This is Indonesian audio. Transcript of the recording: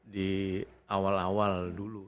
di awal awal dulu